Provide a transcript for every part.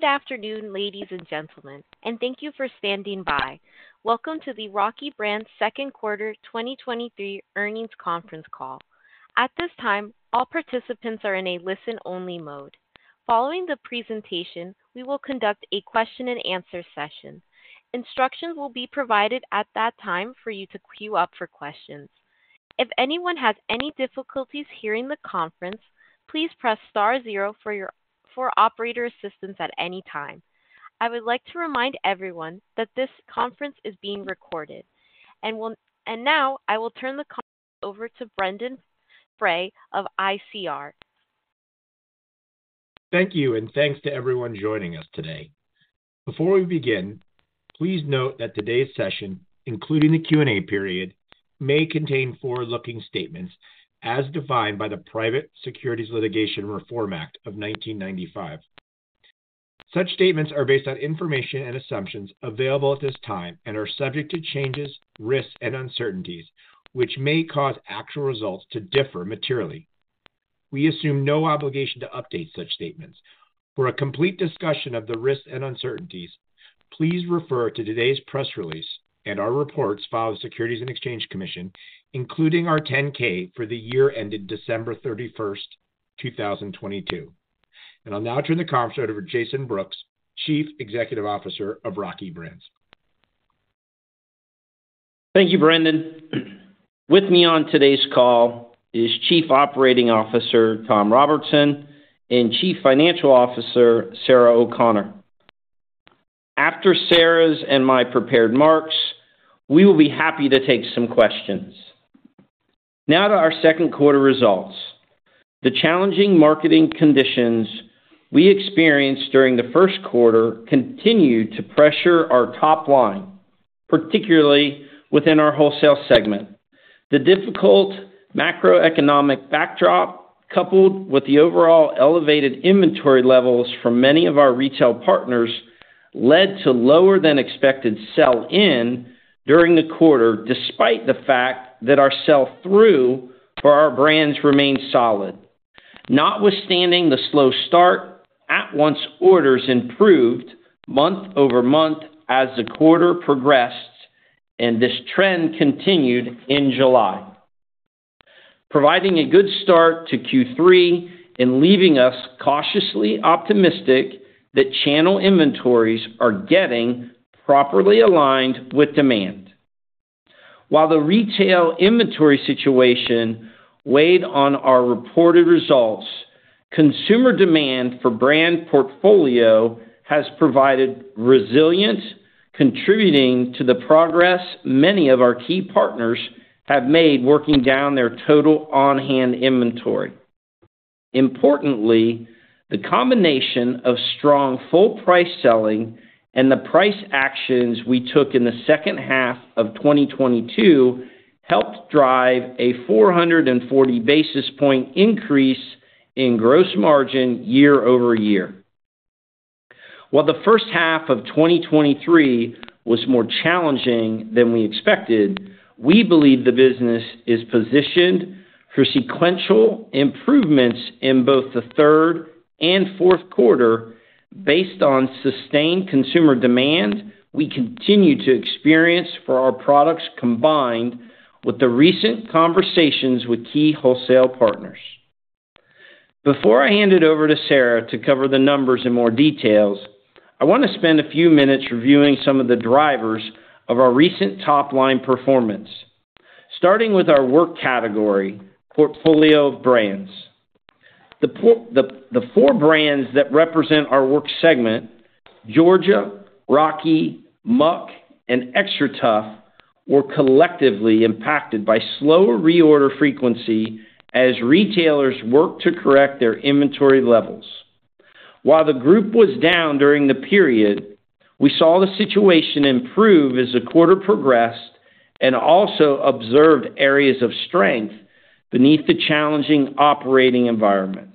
Good afternoon, ladies and gentlemen, thank you for standing by. Welcome to the Rocky Brands second quarter 2023 earnings conference call. At this time, all participants are in a listen-only mode. Following the presentation, we will conduct a question and answer session. Instructions will be provided at that time for you to queue up for questions. If anyone has any difficulties hearing the conference, please press star zero for operator assistance at any time. I would like to remind everyone that this conference is being recorded. Now I will turn the conference over to Brendon Frey of ICR. Thank you, and thanks to everyone joining us today. Before we begin, please note that today's session, including the Q&A period, may contain forward-looking statements as defined by the Private Securities Litigation Reform Act of 1995. Such statements are based on information and assumptions available at this time and are subject to changes, risks, and uncertainties, which may cause actual results to differ materially. We assume no obligation to update such statements. For a complete discussion of the risks and uncertainties, please refer to today's press release and our reports filed with the Securities and Exchange Commission, including our 10-K for the year ended December 31st, 2022. I'll now turn the conference over to Jason Brooks, Chief Executive Officer of Rocky Brands. Thank you, Brendan. With me on today's call is Chief Operating Officer, Tom Robertson, and Chief Financial Officer, Sarah O'Connor. After Sarah's and my prepared marks, we will be happy to take some questions. To our second quarter results. The challenging marketing conditions we experienced during the first quarter continued to pressure our top line, particularly within our wholesale segment. The difficult macroeconomic backdrop, coupled with the overall elevated inventory levels from many of our retail partners, led to lower than expected sell-in during the quarter, despite the fact that our sell-through for our brands remained solid. Notwithstanding the slow start, at once orders improved month-over-month as the quarter progressed, and this trend continued in July, providing a good start to Q3 and leaving us cautiously optimistic that channel inventories are getting properly aligned with demand. While the retail inventory situation weighed on our reported results, consumer demand for brand portfolio has provided resilience, contributing to the progress many of our key partners have made working down their total on-hand inventory. Importantly, the combination of strong full price selling and the price actions we took in the second half of 2022 helped drive a 440 basis point increase in gross margin year-over-year. While the first half of 2023 was more challenging than we expected, we believe the business is positioned for sequential improvements in both the third and fourth quarter based on sustained consumer demand we continue to experience for our products, combined with the recent conversations with key wholesale partners. Before I hand it over to Sarah to cover the numbers in more details, I want to spend a few minutes reviewing some of the drivers of our recent top-line performance. Starting with our work category, portfolio of brands. The four brands that represent our work segment, Georgia, Rocky, Muck, and XTRATUF, were collectively impacted by slower reorder frequency as retailers worked to correct their inventory levels. While the group was down during the period, we saw the situation improve as the quarter progressed and also observed areas of strength beneath the challenging operating environment.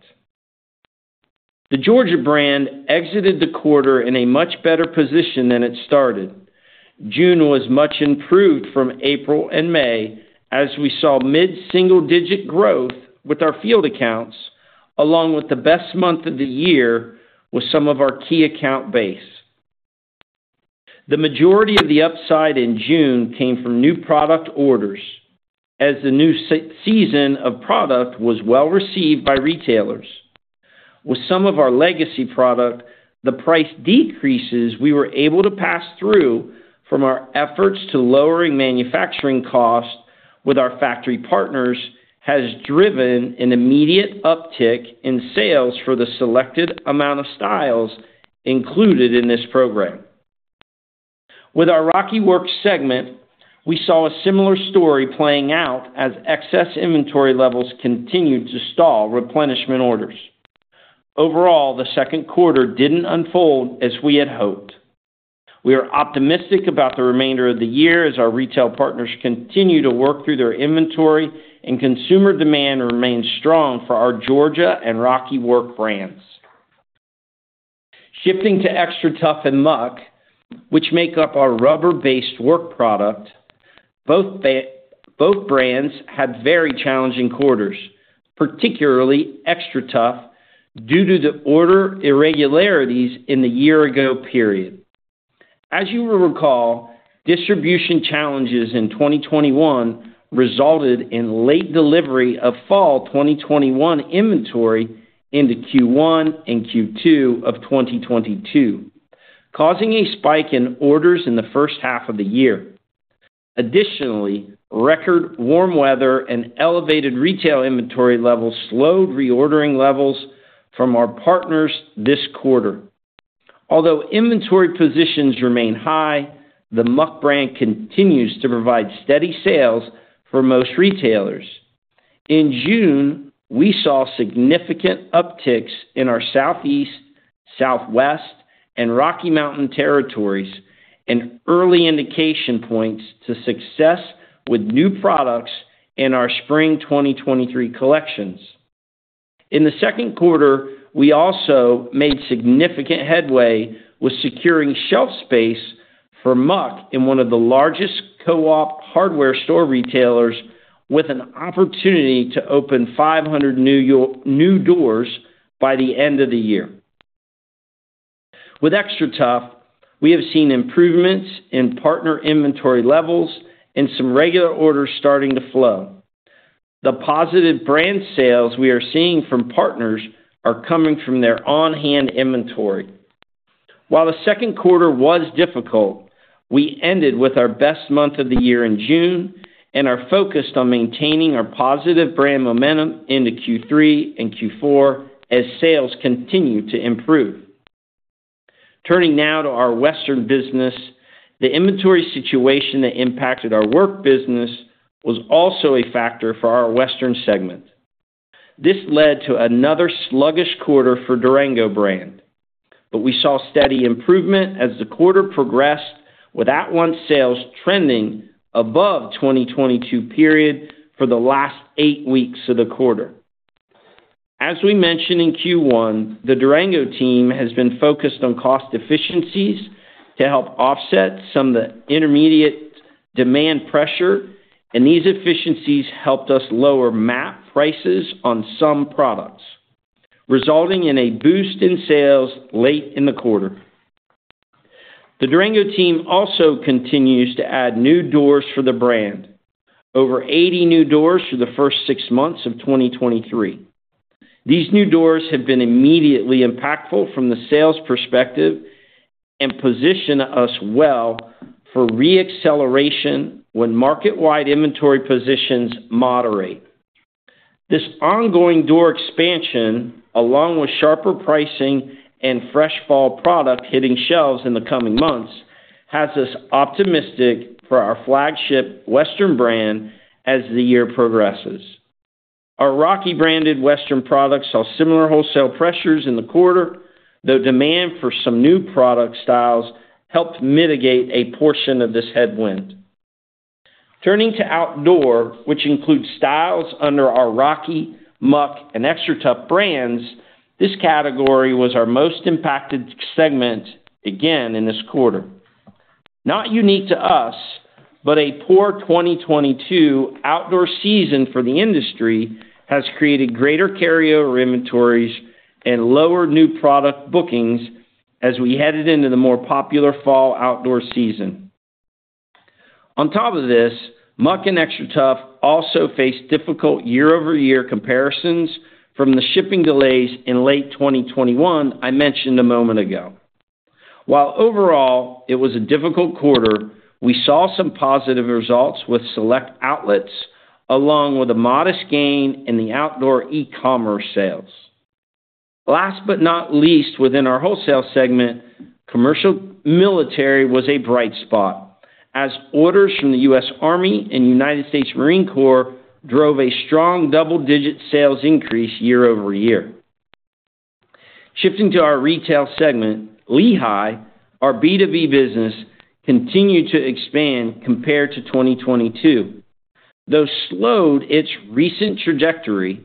The Georgia brand exited the quarter in a much better position than it started. June was much improved from April and May, as we saw mid-single-digit growth with our field accounts, along with the best month of the year with some of our key account base. The majority of the upside in June came from new product orders, as the new season of product was well-received by retailers. With some of our legacy product, the price decreases we were able to pass through from our efforts to lowering manufacturing costs with our factory partners, has driven an immediate uptick in sales for the selected amount of styles included in this program. With our Rocky Work segment, we saw a similar story playing out as excess inventory levels continued to stall replenishment orders. Overall, the second quarter didn't unfold as we had hoped. We are optimistic about the remainder of the year as our retail partners continue to work through their inventory and consumer demand remains strong for our Georgia and Rocky Work brands. Shifting to XTRATUF and Muck, which make up our rubber-based work product. Both brands had very challenging quarters, particularly XTRATUF, due to the order irregularities in the year-ago period. As you will recall, distribution challenges in 2021 resulted in late delivery of fall 2021 inventory into Q1 and Q2 of 2022, causing a spike in orders in the first half of the year. Additionally, record warm weather and elevated retail inventory levels slowed reordering levels from our partners this quarter. Although inventory positions remain high, the Muck brand continues to provide steady sales for most retailers. In June, we saw significant upticks in our Southeast, Southwest, and Rocky Mountain territories, and early indication points to success with new products in our spring 2023 collections. In the second quarter, we also made significant headway with securing shelf space for Muck in one of the largest co-op hardware store retailers, with an opportunity to open 500 new doors by the end of the year. With XTRATUF, we have seen improvements in partner inventory levels and some regular orders starting to flow. The positive brand sales we are seeing from partners are coming from their on-hand inventory. While the second quarter was difficult, we ended with our best month of the year in June and are focused on maintaining our positive brand momentum into Q3 and Q4 as sales continue to improve. Turning now to our Western business. The inventory situation that impacted our work business was also a factor for our Western segment. This led to another sluggish quarter for Durango, but we saw steady improvement as the quarter progressed, with at-once sales trending above 2022 period for the last eight weeks of the quarter. As we mentioned in Q1, the Durango team has been focused on cost efficiencies to help offset some of the intermediate demand pressure. These efficiencies helped us lower MAP prices on some products, resulting in a boost in sales late in the quarter. The Durango team also continues to add new doors for the brand. Over 80 new doors through the first six months of 2023. These new doors have been immediately impactful from the sales perspective and position us well for re-acceleration when market-wide inventory positions moderate. This ongoing door expansion, along with sharper pricing and fresh fall product hitting shelves in the coming months, has us optimistic for our flagship Western brand as the year progresses. Our Rocky branded Western products saw similar wholesale pressures in the quarter, though demand for some new product styles helped mitigate a portion of this headwind. Turning to outdoor, which includes styles under our Rocky, Muck, and XTRATUF brands, this category was our most impacted segment again in this quarter. Not unique to us, but a poor 2022 outdoor season for the industry has created greater carryover inventories and lower new product bookings as we headed into the more popular fall outdoor season. On top of this, Muck and XTRATUF also face difficult year-over-year comparisons from the shipping delays in late 2021 I mentioned a moment ago. While overall it was a difficult quarter, we saw some positive results with select outlets, along with a modest gain in the outdoor e-commerce sales. Last but not least, within our wholesale segment, commercial military was a bright spot, as orders from the U.S. Army and United States Marine Corps drove a strong double-digit sales increase year-over-year. Shifting to our retail segment, Lehigh, our B2B business, continued to expand compared to 2022, though slowed its recent trajectory.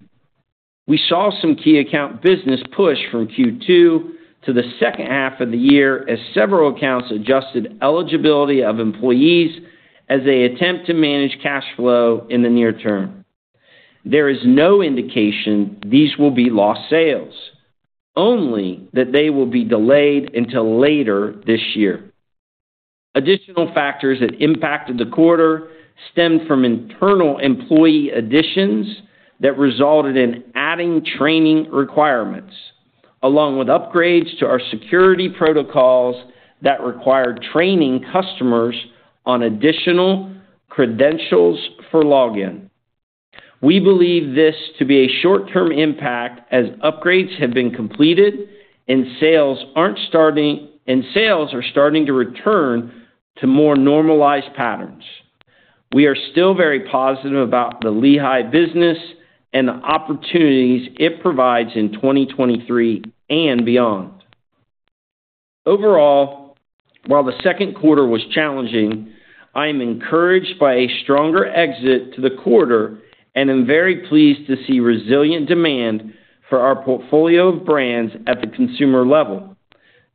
We saw some key account business push from Q2 to the second half of the year, as several accounts adjusted eligibility of employees as they attempt to manage cash flow in the near term. There is no indication these will be lost sales, only that they will be delayed until later this year. Additional factors that impacted the quarter stemmed from internal employee additions that resulted in adding training requirements, along with upgrades to our security protocols that required training customers on additional credentials for login. We believe this to be a short-term impact, as upgrades have been completed and sales aren't starting-- and sales are starting to return to more normalized patterns. We are still very positive about the Lehigh business and the opportunities it provides in 2023 and beyond. Overall, while the second quarter was challenging, I am encouraged by a stronger exit to the quarter and am very pleased to see resilient demand for our portfolio of brands at the consumer level.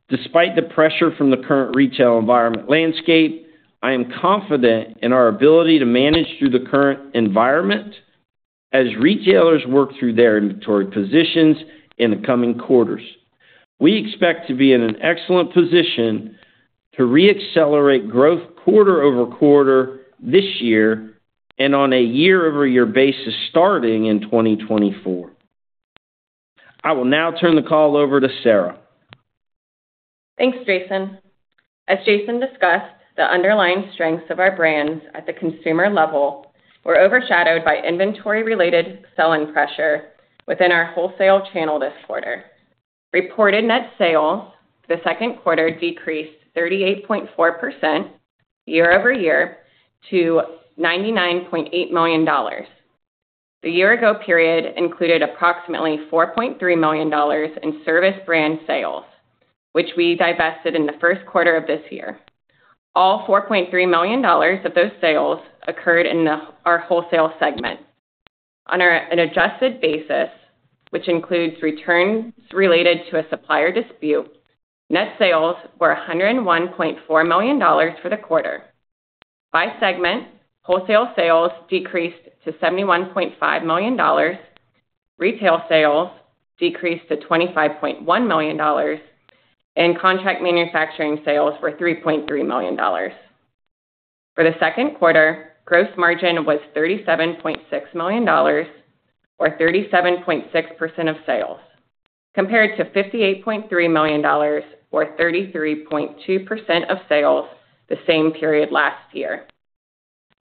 Despite the pressure from the current retail environment landscape, I am confident in our ability to manage through the current environment as retailers work through their inventory positions in the coming quarters. We expect to be in an excellent position to re-accelerate growth quarter-over-quarter this year and on a year-over-year basis starting in 2024. I will now turn the call over to Sarah. Thanks, Jason. As Jason discussed, the underlying strengths of our brands at the consumer level were overshadowed by inventory-related selling pressure within our wholesale channel this quarter. Reported net sales for the second quarter decreased 38.4% year-over-year to $99.8 million. The year ago period included approximately $4.3 million in Servus brand sales, which we divested in the first quarter of this year. All $4.3 million of those sales occurred in our wholesale segment. On an adjusted basis, which includes returns related to a supplier dispute, net sales were $101.4 million for the quarter. By segment, wholesale sales decreased to $71.5 million, retail sales decreased to $25.1 million, and contract manufacturing sales were $3.3 million. For the second quarter, gross margin was $37.6 million, or 37.6% of sales, compared to $58.3 million, or 33.2% of sales, the same period last year.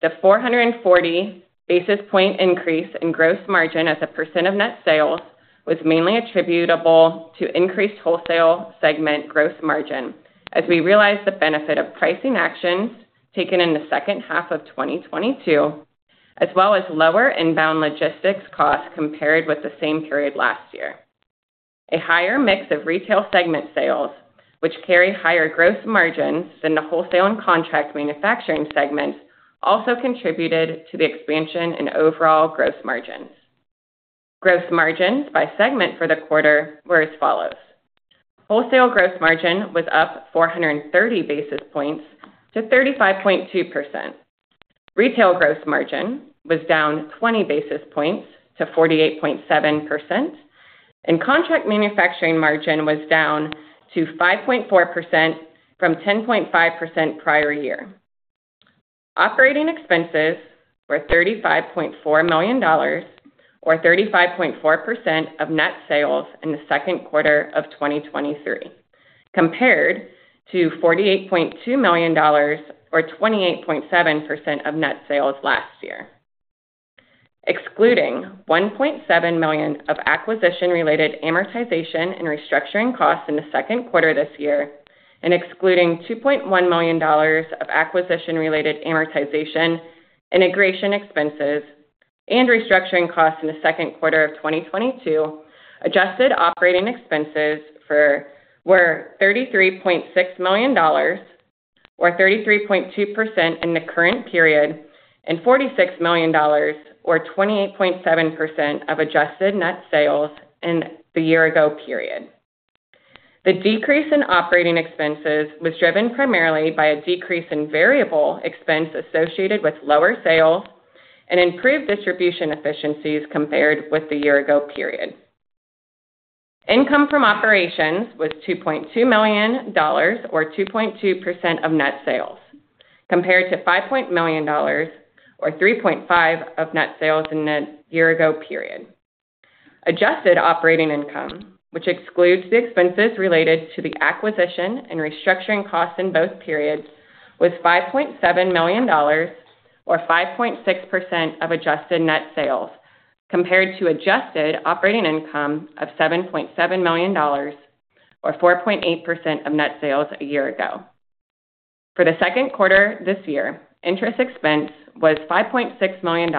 The 440 basis point increase in gross margin as a percent of net sales was mainly attributable to increased wholesale segment gross margin as we realized the benefit of pricing actions taken in the second half of 2022, as well as lower inbound logistics costs compared with the same period last year. A higher mix of retail segment sales, which carry higher gross margins than the wholesale and contract manufacturing segments, also contributed to the expansion in overall gross margins. Gross margins by segment for the quarter were as follows: Wholesale gross margin was up 430 basis points to 35.2%. Retail gross margin was down 20 basis points to 48.7%, and contract manufacturing margin was down to 5.4% from 10.5% prior year. Operating expenses were $35.4 million, or 35.4% of net sales in the second quarter of 2023, compared to $48.2 million or 28.7% of net sales last year. Excluding $1.7 million of acquisition-related amortization and restructuring costs in the second quarter this year, and excluding $2.1 million of acquisition-related amortization, integration expenses, and restructuring costs in the second quarter of 2022, adjusted operating expenses were $33.6 million, or 33.2% in the current period, and $46 million or 28.7% of adjusted net sales in the year ago period. The decrease in operating expenses was driven primarily by a decrease in variable expense associated with lower sales and improved distribution efficiencies compared with the year ago period. Income from operations was $2.2 million or 2.2% of net sales, compared to $5.6 million or 3.5 of net sales in the year ago period. Adjusted operating income, which excludes the expenses related to the acquisition and restructuring costs in both periods, was $5.7 million or 5.6% of adjusted net sales, compared to adjusted operating income of $7.7 million or 4.8% of net sales a year ago. For the second quarter this year, interest expense was $5.6 million,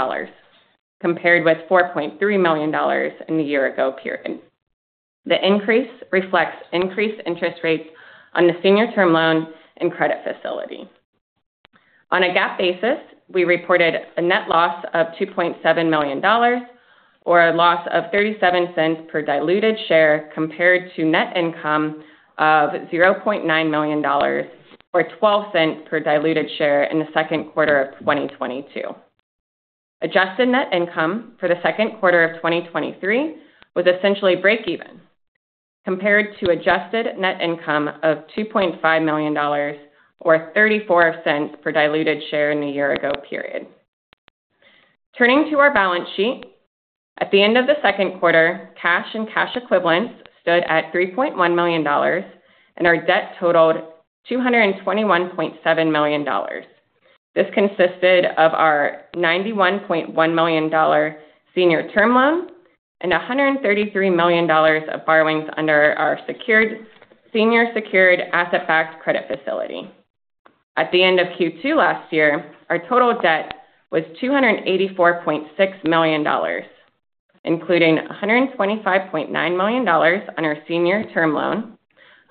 compared with $4.3 million in the year ago period. The increase reflects increased interest rates on the senior term loan and credit facility. On a GAAP basis, we reported a net loss of $2.7 million, or a loss of $0.37 per diluted share, compared to net income of $0.9 million, or $0.12 per diluted share in the second quarter of 2022. Adjusted net income for the second quarter of 2023 was essentially break even, compared to adjusted net income of $2.5 million or $0.34 per diluted share in the year ago period. Turning to our balance sheet. At the end of the second quarter, cash and cash equivalents stood at $3.1 million, and our debt totaled $221.7 million. This consisted of our $91.1 million senior term loan and $133 million of borrowings under our senior secured asset-backed credit facility. At the end of Q2 last year, our total debt was $284.6 million, including $125.9 million on our senior term loan,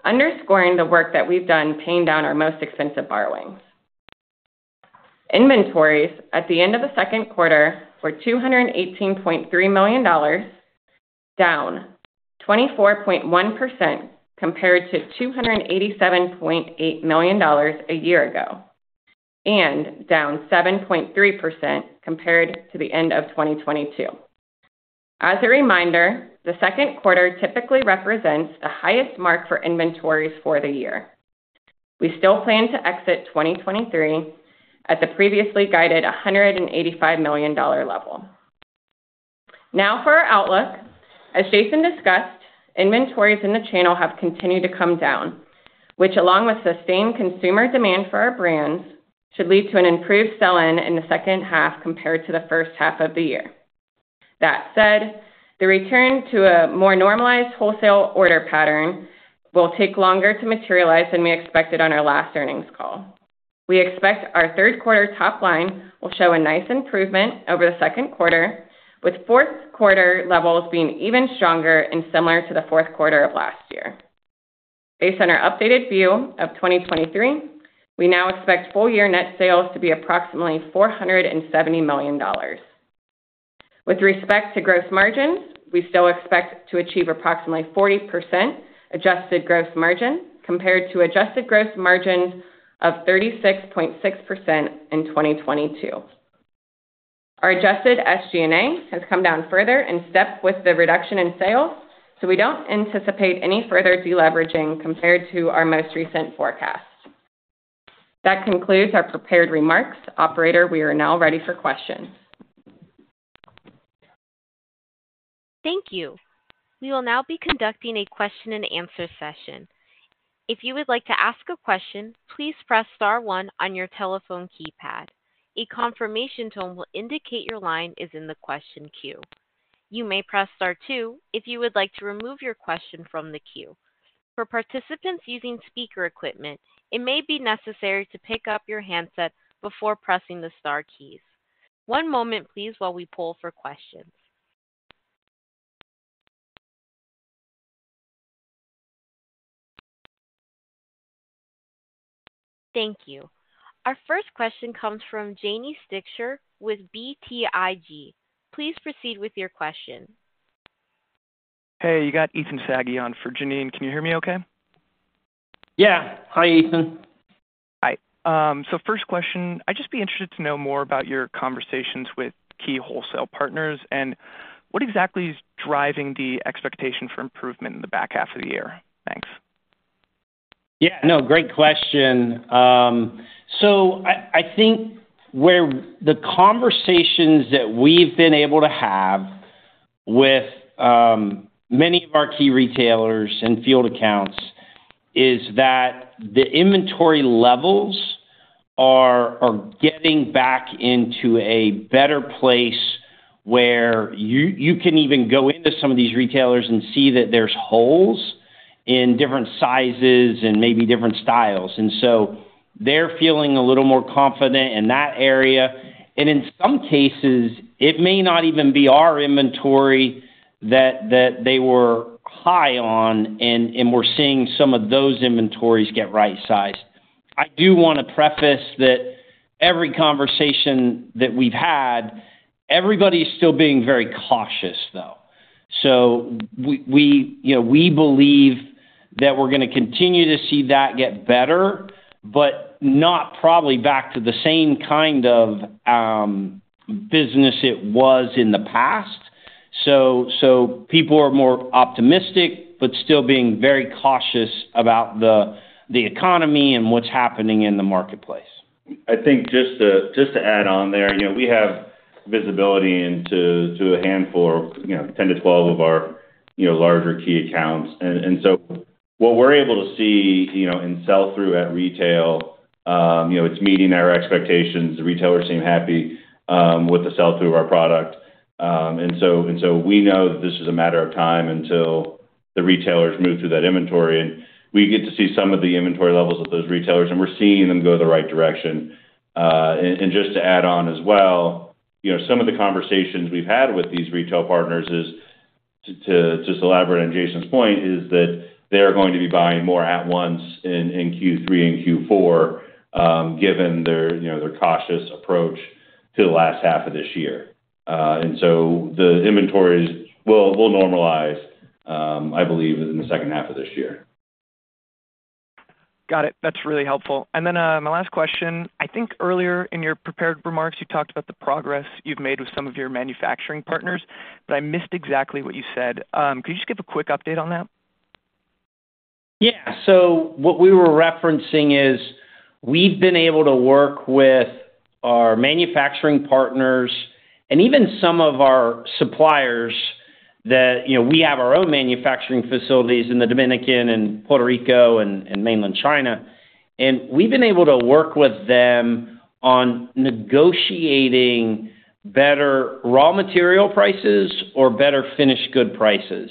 underscoring the work that we've done paying down our most expensive borrowings. Inventories at the end of the second quarter were $218.3 million, down 24.1% compared to $287.8 million a year ago, and down 7.3% compared to the end of 2022. As a reminder, the second quarter typically represents the highest mark for inventories for the year. We still plan to exit 2023 at the previously guided $185 million level. Now for our outlook. As Jason discussed, inventories in the channel have continued to come down, which, along with sustained consumer demand for our brands, should lead to an improved sell-in in the second half compared to the first half of the year. That said, the return to a more normalized wholesale order pattern will take longer to materialize than we expected on our last earnings call. We expect our third quarter top line will show a nice improvement over the second quarter, with fourth quarter levels being even stronger and similar to the fourth quarter of last year. Based on our updated view of 2023, we now expect full year net sales to be approximately $470 million. With respect to gross margin, we still expect to achieve approximately 40% adjusted gross margin compared to adjusted gross margin of 36.6% in 2022. Our adjusted SG&A has come down further in step with the reduction in sales. We don't anticipate any further deleveraging compared to our most recent forecast. That concludes our prepared remarks. Operator, we are now ready for questions. Thank you. We will now be conducting a question and answer session. If you would like to ask a question, please press star one on your telephone keypad. A confirmation tone will indicate your line is in the question queue. You may press star two if you would like to remove your question from the queue. For participants using speaker equipment, it may be necessary to pick up your handset before pressing the star keys. One moment, please, while we pull for questions. Thank you. Our first question comes from Janine Stichter with BTIG. Please proceed with your question. Hey, you got Ethan Saghi on for Janine. Can you hear me okay? Yeah. Hi, Ethan. Hi. First question. I'd just be interested to know more about your conversations with key wholesale partners and what exactly is driving the expectation for improvement in the back half of the year? Thanks. Yeah, no, great question. I think where the conversations that we've been able to have with many of our key retailers and field accounts is that the inventory levels are getting back into a better place, where you, you can even go into some of these retailers and see that there's holes in different sizes and maybe different styles. They're feeling a little more confident in that area. In some cases, it may not even be our inventory that they were high on, and we're seeing some of those inventories get right-sized. I do want to preface that every conversation that we've had, everybody's still being very cautious, though. We, we, you know, we believe that we're gonna continue to see that get better, but not probably back to the same kind of, business it was in the past. People are more optimistic, but still being very cautious about the, the economy and what's happening in the marketplace. I think just to, just to add on there, you know, we have visibility into to a handful, you know, 10 to 12 of our, you know, larger key accounts. What we're able to see, you know, in sell-through at retail, you know, it's meeting our expectations. The retailers seem happy with the sell-through of our product. So we know that this is a matter of time until the retailers move through that inventory, and we get to see some of the inventory levels of those retailers, and we're seeing them go the right direction. And just to add on as well, you know, some of the conversations we've had with these retail partners is to, to just elaborate on Jason's point, is that they're going to be buying more at once in, in Q3 and Q4, given their, you know, their cautious approach to the last half of this year. So the inventories will, will normalize, I believe, in the second half of this year. Got it. That's really helpful. My last question. I think earlier in your prepared remarks, you talked about the progress you've made with some of your manufacturing partners, but I missed exactly what you said. Could you just give a quick update on that? Yeah. So what we were referencing is we've been able to work with our manufacturing partners and even some of our suppliers that... You know, we have our own manufacturing facilities in the Dominican and Puerto Rico and, and mainland China, and we've been able to work with them on negotiating better raw material prices or better finished good prices.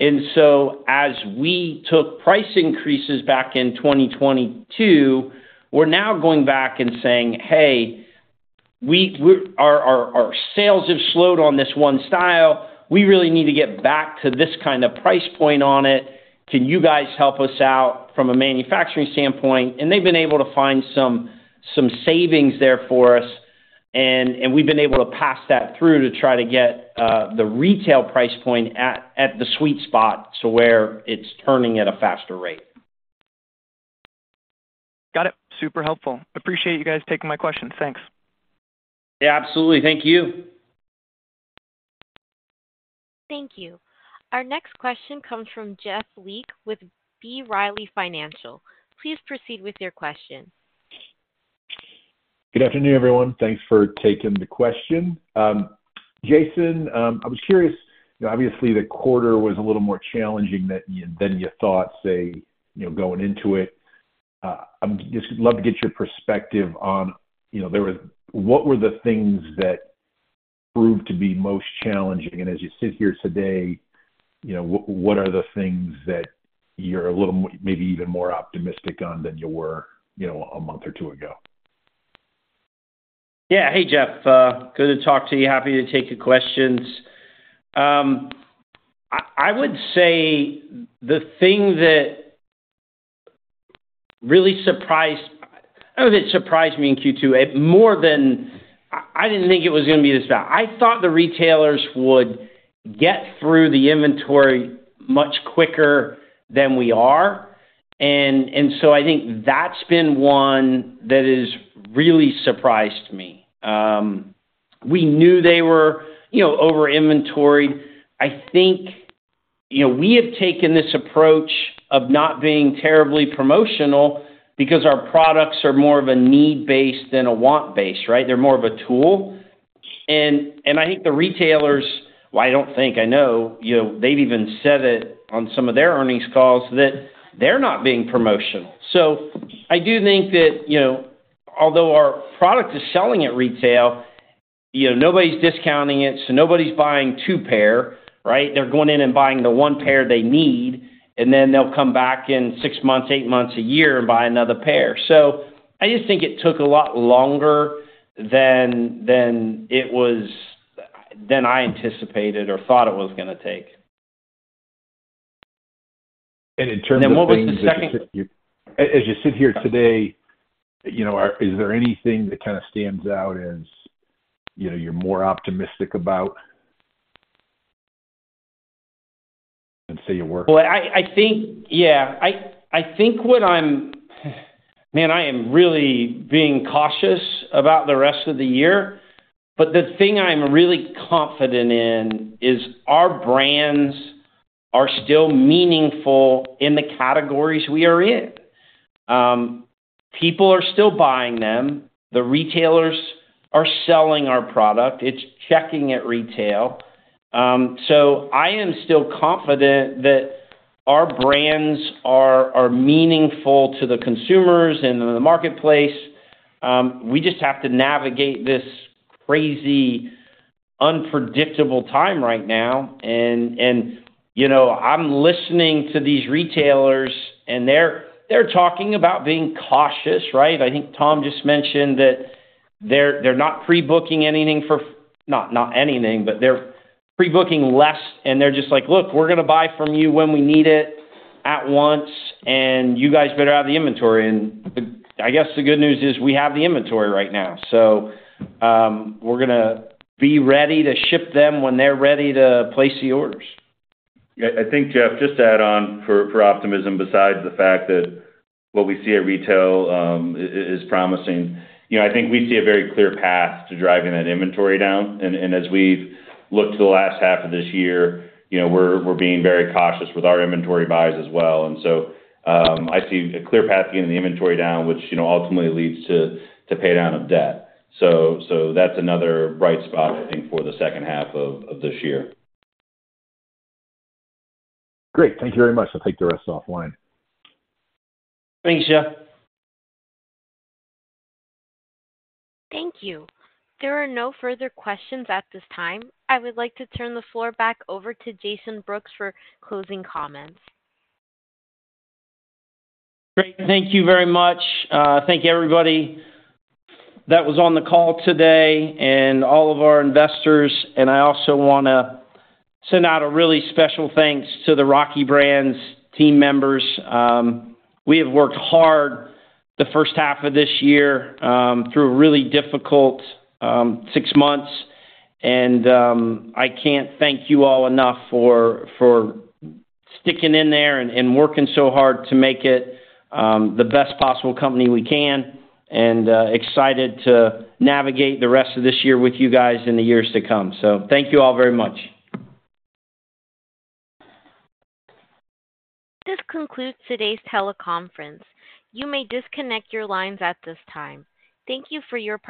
As we took price increases back in 2022, we're now going back and saying: Hey, we, we, our, our, our sales have slowed on this one style. We really need to get back to this kind of price point on it. Can you guys help us out from a manufacturing standpoint? They've been able to find some, some savings there for us, and, and we've been able to pass that through to try to get the retail price point at, at the sweet spot to where it's turning at a faster rate. Got it. Super helpful. Appreciate you guys taking my questions. Thanks. Yeah, absolutely. Thank you. Thank you. Our next question comes from Jeff Lick with B. Riley Financial. Please proceed with your question. Good afternoon, everyone. Thanks for taking the question. Jason, I was curious, you know, obviously, the quarter was a little more challenging than you, than you thought, say, you know, going into it. I would just love to get your perspective on, you know, what were the things that proved to be most challenging? As you sit here today, you know, what, what are the things that you're a little, maybe even more optimistic on than you were, you know, a month or two ago? Yeah. Hey, Jeff, good to talk to you. Happy to take your questions. I, I would say the thing that really surprised-- I don't think it surprised me in Q2 more than... I, I didn't think it was gonna be this bad. I thought the retailers would get through the inventory much quicker than we are. I think that's been one that has really surprised me. We knew they were, you know, over inventoried. I think, you know, we have taken this approach of not being terribly promotional because our products are more of a need-based than a want-based, right? They're more of a tool. I think the retailers, well, I don't think I know, you know, they've even said it on some of their earnings calls, that they're not being promotional. I do think that, you know, although our product is selling at retail, you know, nobody's discounting it, nobody's buying two pair, right? They're going in and buying the one pair they need, and then they'll come back in six months, eight months, a year, and buy another pair. I just think it took a lot longer than, than it was, than I anticipated or thought it was gonna take. in terms of- What was the second- As you sit here today, you know, is there anything that kind of stands out as, you know, you're more optimistic about than, say, you were? Well, I, I think, yeah, I, I think what I'm Man, I am really being cautious about the rest of the year, but the thing I'm really confident in is our brands are still meaningful in the categories we are in. People are still buying them. The retailers are selling our product. It's checking at retail. I am still confident that our brands are, are meaningful to the consumers and the marketplace. We just have to navigate this crazy, unpredictable time right now. And, you know, I'm listening to these retailers, and they're, they're talking about being cautious, right? I think Tom just mentioned that they're, they're not pre-booking anything for Not, not anything, but they're pre-booking less, and they're just like: Look, we're gonna buy from you when we need it at once, and you guys better have the inventory. I guess the good news is we have the inventory right now, so, we're gonna be ready to ship them when they're ready to place the orders. Yeah, I think, Jeff, just to add on for, for optimism, besides the fact that what we see at retail is promising. You know, I think we see a very clear path to driving that inventory down. As we've looked to the last half of this year, you know, we're, we're being very cautious with our inventory buys as well. I see a clear path to getting the inventory down, which, you know, ultimately leads to, to pay down of debt. So that's another bright spot, I think, for the second half of this year. Great. Thank you very much. I'll take the rest offline. Thanks, Jeff. Thank you. There are no further questions at this time. I would like to turn the floor back over to Jason Brooks for closing comments. Great. Thank you very much. Thank you, everybody that was on the call today and all of our investors. I also want to send out a really special thanks to the Rocky Brands team members. We have worked hard the first half of this year, through a really difficult, six months. I can't thank you all enough for, for sticking in there and, and working so hard to make it, the best possible company we can. Excited to navigate the rest of this year with you guys in the years to come. Thank you all very much. This concludes today's teleconference. You may disconnect your lines at this time. Thank you for your participation.